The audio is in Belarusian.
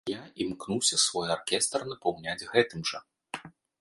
Я імкнуся свой аркестр напаўняць гэтым жа.